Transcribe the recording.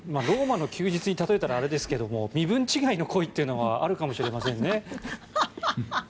「ローマの休日」に例えたらあれですが身分違いの恋っていうのはあるかもしれませんね。